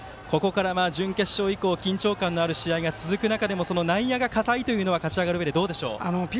ここからは準決勝以降緊張感のある試合が続く中でも内野が堅いというのは勝ち上がるうえで、どうでしょう。